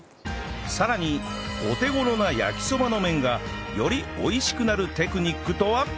さらにお手頃な焼きそばの麺がより美味しくなるテクニックとは！？